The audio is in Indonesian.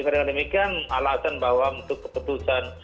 dengan demikian alasan bahwa untuk keputusan